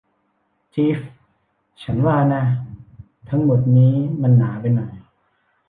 จี๊ฟ ฉันว่านะ ทั้งหมดนี้มันหนาไปหน่อย